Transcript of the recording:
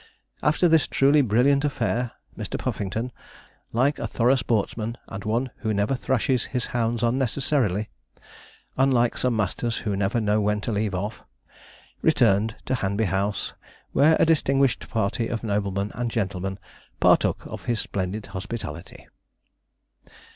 After this truly brilliant affair, Mr. Puffington, like a thorough sportsman, and one who never thrashes his hounds unnecessarily unlike some masters who never know when to leave off returned to Hanby House, where a distinguished party of noblemen and gentlemen partook of his splendid hospitality.